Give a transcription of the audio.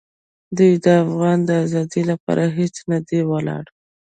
دوی د افغان د آزادۍ لپاره هېڅ نه دي ولاړ.